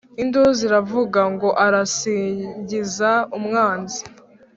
Induru ziravuga, Ngo arasingiza «umwanzi»;